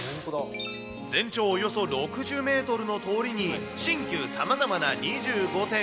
全長およそ６０メートルの通りに、新旧さまざまな２５店。